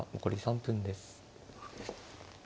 残り３分です。